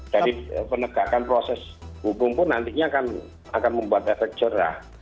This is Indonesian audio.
dari penegakan proses hukum pun nantinya akan membuat efek jerah